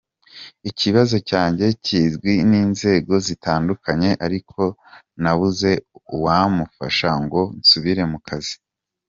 Ikibazo cyanjye kizwi n’inzego zitandukanye ariko nabuze uwamfasha ngo nsubire mu kazi.